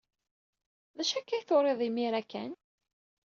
D acu akka ay turiḍ imir-a kan?